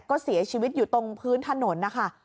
ก็เสียชีวิตอยู่ตรงพื้นถนนนะคะ